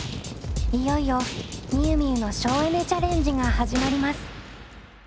いよいよみゆみゆの省エネ・チャレンジが始まります。